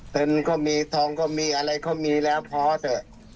เงินก็มีทองก็มีอะไรก็มีแล้วพอเถอะ